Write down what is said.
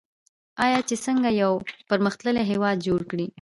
آیا چې څنګه یو پرمختللی هیواد جوړ کړي؟